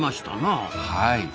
はい。